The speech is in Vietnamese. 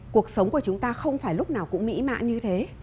cuộc sống của chúng ta không phải lúc nào cũng mỹ mãn như thế